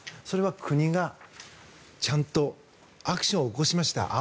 それは国がちゃんとアクションを起こしました。